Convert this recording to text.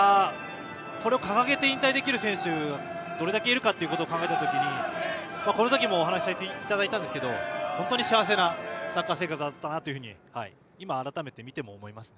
これを掲げて引退できる選手がどれだけいるかと考えたときこのときもお話させていただいたんですが本当に幸せなサッカー生活だったなと今改めて見ても思いましたね。